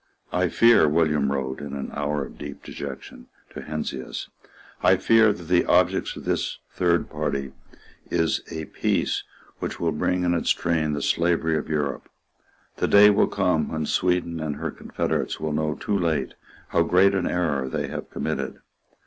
"I fear," William wrote, in an hour of deep dejection, to Heinsius, "I fear that the object of this Third Party is a peace which will bring in its train the slavery of Europe. The day will come when Sweden and her confederates will know too late how great an error they have committed.